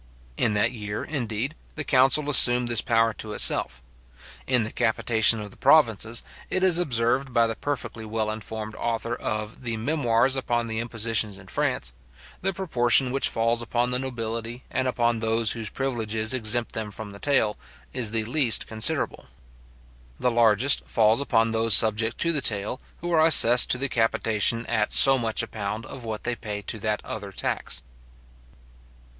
In that year, indeed, the council assumed this power to itself. In the capitation of the provinces, it is observed by the perfectly well informed author of the Memoirs upon the Impositions in France, the proportion which falls upon the nobility, and upon those whose privileges exempt them from the taille, is the least considerable. The largest falls upon those subject to the taille, who are assessed to the capitation at so much a pound of what they pay to that other tax.